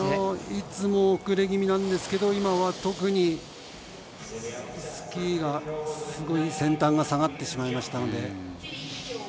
いつも遅れ気味なんですが今は特にスキーの先端が下がってしまいました。